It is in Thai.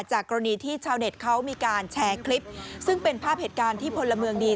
กรณีที่ชาวเน็ตเขามีการแชร์คลิปซึ่งเป็นภาพเหตุการณ์ที่พลเมืองดี